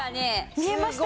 見えましたよ。